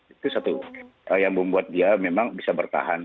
itu satu yang membuat dia memang bisa bertahan